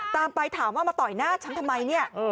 ตามไปถามว่ามาต่อยหน้าฉันทำไมเนี่ย